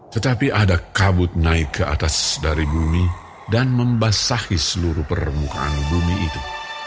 tetapi ada kabut naik ke atas dari bumi dan membasahi seluruh permukaan bumi itu